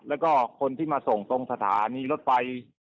แล้วก็คนที่มาส่งตรงสถานีรถไฟ